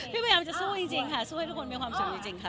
พยายามจะสู้จริงค่ะสู้ให้ทุกคนมีความสุขจริงค่ะ